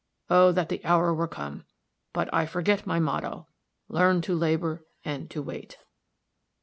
Oh, that the hour were come! But I forget my motto 'learn to labor and to wait.'"